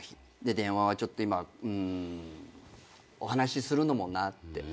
電話はちょっと今うーんお話するのもなって。